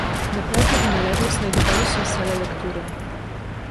"Na prawo i na lewo znajdowały się sale lektury."